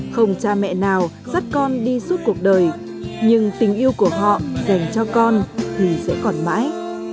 không cha mẹ nào dắt con đi suốt cuộc đời nhưng tình yêu của họ dành cho con thì sẽ còn mãi